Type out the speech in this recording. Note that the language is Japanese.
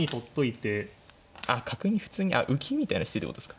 角に普通にあっ浮きみたいにするってことですか。